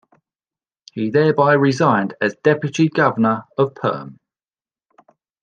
He thereby resigned as Deputy Governor of Perm.